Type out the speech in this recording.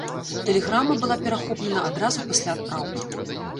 Тэлеграма была перахоплена адразу пасля адпраўкі.